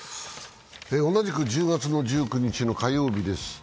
同じく１０月１９日の火曜日です。